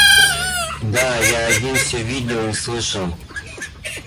Да, я один всё видел и слышал.